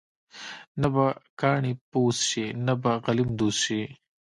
نه به کاڼې پوست شي، نه به غلیم دوست شي.